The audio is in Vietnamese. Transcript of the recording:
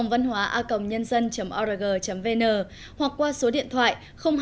văn hóa a cồng nhân dân org vn hoặc qua số điện thoại hai mươi bốn ba mươi hai sáu trăm sáu mươi chín năm trăm linh tám